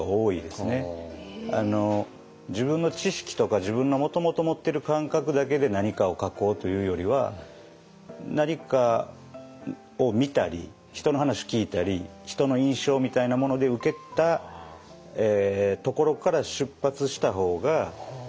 自分の知識とか自分のもともと持ってる感覚だけで何かを書こうというよりは何かを見たり人の話聞いたりっていうのとちょっと近いような気はしましたね。